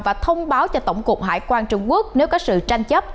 và thông báo cho tổng cục hải quan trung quốc nếu có sự tranh chấp